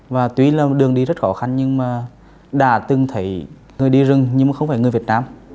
và tuy là đường đi rất khó khăn nhưng mà đã từng thấy người đi rừng nhưng mà không phải người việt nam